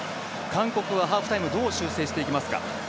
韓国はハーフタイムどう修正していきますか？